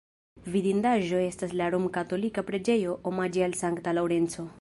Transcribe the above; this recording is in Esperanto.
Vidindaĵo estas la romkatolika preĝejo omaĝe al Sankta Laŭrenco.